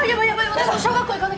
私も小学校行かなきゃ。